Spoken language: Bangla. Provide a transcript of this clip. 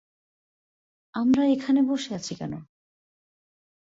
আমরা এখানে বসে আছি কেন?